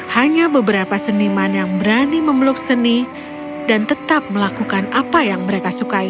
hanya beberapa seniman yang berani memeluk seni dan tetap melakukan apa yang mereka sukai